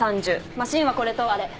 マシンはこれとあれ。